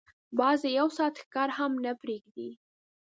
باز د یو ساعت ښکار هم نه پریږدي